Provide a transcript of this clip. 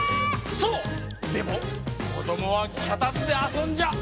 そうでもこどもはきゃたつであそんじゃ。